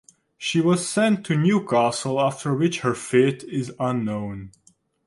She was sent to Newcastle after which her fate is unknown.